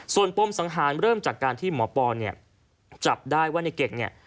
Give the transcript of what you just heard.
ส่วนป้มสังหารเริ่มจากการที่หมอปอร์จับได้ว่าในเก่ง